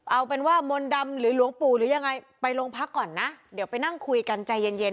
เอาเป็นว่ามนต์ดำหรือหลวงปู่หรือยังไงไปโรงพักก่อนนะเดี๋ยวไปนั่งคุยกันใจเย็นเย็น